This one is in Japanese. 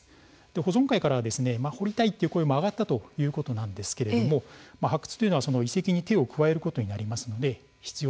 保存会からは「掘りたい」という声もあったということなんですけれども発掘というのは遺跡に手を加えることになりますので必要